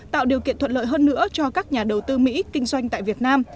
tạo điều kiện thuận lợi hơn nữa cho các nhà đầu tư mỹ kinh doanh tại việt nam